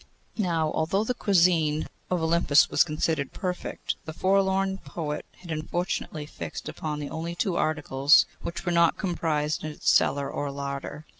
Now, although the cuisine of Olympus was considered perfect, the forlorn poet had unfortunately fixed upon the only two articles which were not comprised in its cellar or larder.